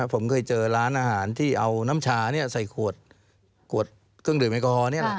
ผมเคยเจอร้านอาหารที่เอาน้ำชาใส่ขวดเครื่องดื่มแอลกอฮอล